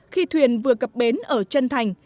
khi thuyền vừa cập bến ở trân thành